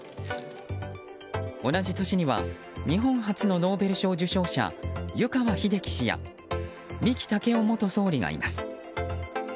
同じ年には日本初のノーベル賞受賞者・湯川秀樹氏や三木武夫元総理がいます。